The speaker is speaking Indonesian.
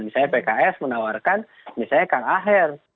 misalnya pks menawarkan misalnya kang aher